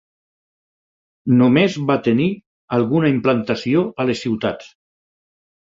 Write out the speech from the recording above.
Només va tenir alguna implantació a les ciutats.